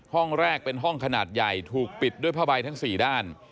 ห้องแรกเป็นห้องขนาดใหญ่ถูกปิดด้วยผ้าใบทั้ง๔ด้าน